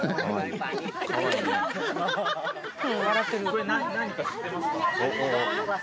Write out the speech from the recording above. これ何か知ってますか？